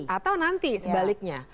atau nanti sebaliknya